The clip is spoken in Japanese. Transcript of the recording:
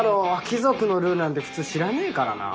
貴族のルールなんて普通知らねえからな。